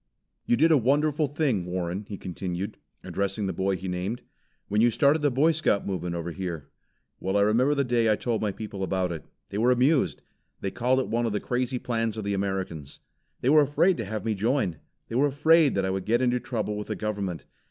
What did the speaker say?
"You did a wonderful thing, Warren," he continued, addressing the boy he named, "when you started the Boy Scout movement over here. Well I remember the day I told my people about it. They were amused. They called it one of the crazy plans of the Americans. They were afraid to have me join. They were afraid that I would get into trouble with the government.